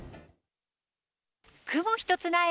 雲一つない